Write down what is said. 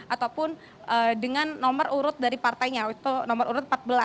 ataupun dengan nomor urut dari partainya itu nomor urut empat belas